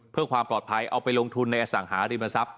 เพื่อความปลอดภัยเอาไปลงทุนในอสังหาริมทรัพย